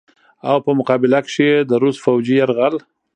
او په مقابله کښې ئې د روس فوجي يرغل